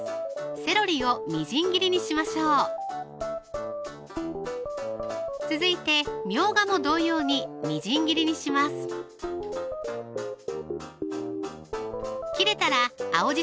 セロリをみじん切りにしましょう続いてみょうがも同様にみじん切りにします切れたら青じ